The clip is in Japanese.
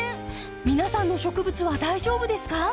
皆さんの植物は大丈夫ですか？